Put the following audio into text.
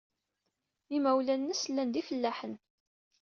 Imawlan-nnes llan d ifellaḥen.